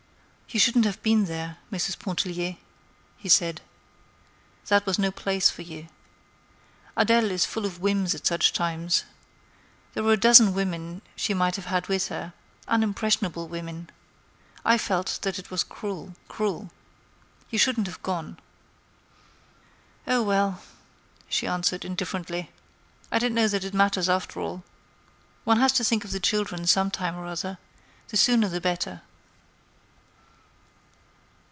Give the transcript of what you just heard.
"You shouldn't have been there, Mrs. Pontellier," he said. "That was no place for you. Adèle is full of whims at such times. There were a dozen women she might have had with her, unimpressionable women. I felt that it was cruel, cruel. You shouldn't have gone." "Oh, well!" she answered, indifferently. "I don't know that it matters after all. One has to think of the children some time or other; the sooner the better."